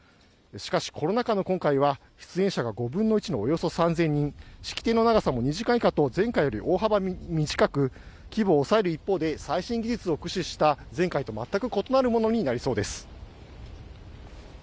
しかし、コロナ禍の今回は出演者が５分の１のおよそ３０００人式典の長さも２時間以下と前回より大幅に短く規模を抑える一方で最新技術を駆使した前回とまったく異なるものになりそうです。